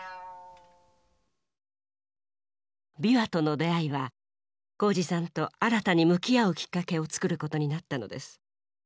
琵琶との出会いは宏司さんと新たに向き合うきっかけを作ることになったのです。